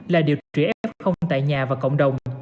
là điều trị f tại nhà và cộng đồng